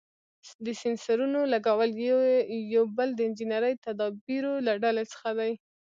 د سېنسرونو لګول یې یو بل د انجنیري تدابیرو له ډلې څخه دی.